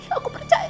ya aku percaya